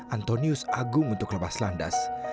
antonius agung untuk lepas landas